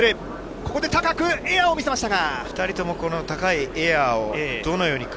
ここで高くエアを見せましたが。